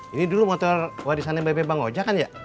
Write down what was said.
ini dulu motor warisannya bebe bang ujak kan ya